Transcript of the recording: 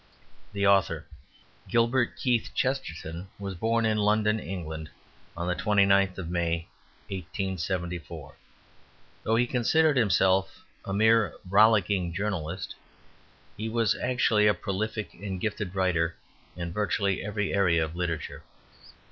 The Author Gilbert Keith Chesterton was born in London, England on the 29th of May, 1874. Though he considered himself a mere "rollicking journalist," he was actually a prolific and gifted writer in virtually every area of literature.